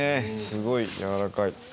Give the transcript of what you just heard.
すごい柔らかい。